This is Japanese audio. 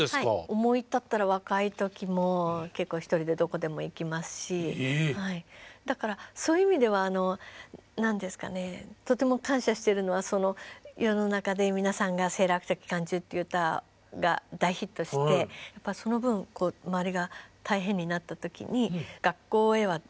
思い立ったら若い時も結構一人でどこでも行きますしだからそういう意味では何ですかねとても感謝しているのは世の中で皆さんが「セーラー服と機関銃」という歌が大ヒットしてその分周りが大変になった時に学校へは誰も守ってくれないし